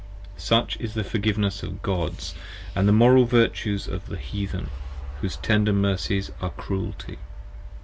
20 Such is the Forgiveness of the Gods, the Moral Virtues of the Heathen, whose tender Mercies are Cruelty.